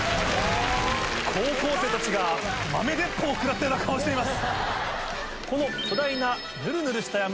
高校生たちが豆鉄砲を食らったような顔をしています。